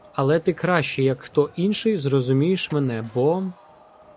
Але ти краще, як хто інший, зрозумієш мене, бо.